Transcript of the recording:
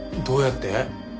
どうやって？